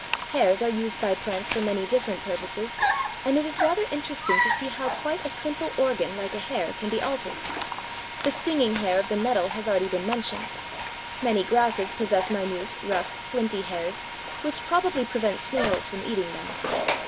Hairs are used by plants for many different purposes, and it is rather interesting to see how quite a simple organ like a hair can be altered. The stinging hair of the nettle has already been mentioned; many grasses possess minute, rough, flinty hairs, which probably prevent snails from eating them.